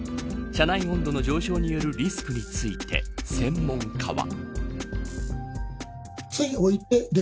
車内温度の上昇によるリスクについて専門家は。